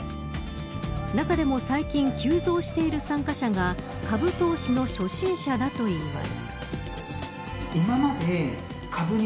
中でも最近急増している参加者が株投資の初心者だといいます。